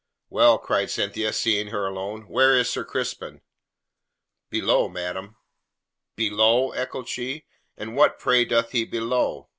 "Well?" cried Cynthia, seeing her alone. "Where is Sir Crispin?" "Below, madam." "Below?" echoed she. "And what, pray, doth he below?"